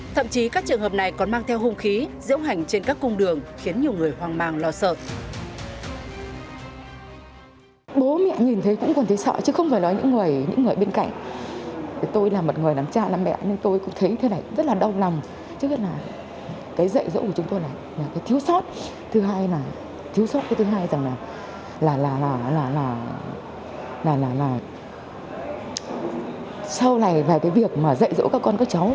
thậm chí các trường hợp này còn mang theo hung khí dễ hành trên các cung đường khiến nhiều người hoang mang lo sợ